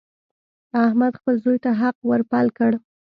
احمد خپل زوی ته حق ور پل کړ.